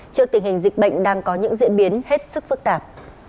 trước tình hình dịch bệnh đang có những diễn biến hết sức phức tạp